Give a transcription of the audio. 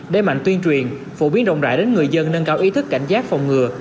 để mạnh tuyên truyền phổ biến rộng rãi đến người dân nâng cao ý thức cảnh giác phòng ngừa